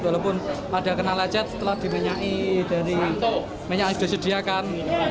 walaupun ada kena lacat setelah dimenyai dari minyak yang sudah disediakan